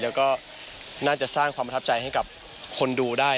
แล้วก็น่าจะสร้างความประทับใจให้กับคนดูได้